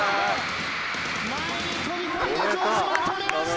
「前に飛び込んで城島止めました！」